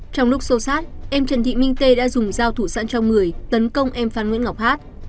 trong lúc sâu sát em trần thị minh tê đã dùng dao thủ sẵn trong người tấn công em phan nguyễn ngọc hát